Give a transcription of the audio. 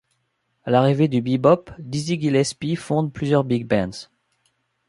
À l'arrivée du bebop, Dizzy Gillespie fonde plusieurs big bands.